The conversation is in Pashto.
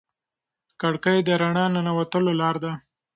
کړکۍ د رڼا د ننوتلو لار ده.